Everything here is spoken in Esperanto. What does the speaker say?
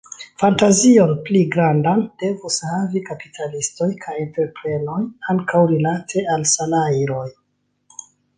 Fantazion pli grandan devus havi kapitalistoj kaj entreprenoj ankaŭ rilate al salajroj.